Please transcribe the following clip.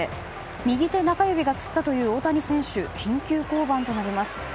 右手中指がつったという大谷選手、緊急降板となります。